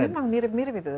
ya memang mirip mirip itu